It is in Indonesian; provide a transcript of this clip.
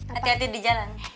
hati hati di jalan